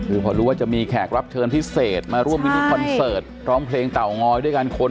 คือพอรู้ว่าจะมีแขกรับเชิญพิเศษมาร่วมพิธีคอนเสิร์ตร้องเพลงเต่างอยด้วยกันคน